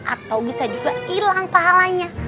atau bisa juga hilang pahalanya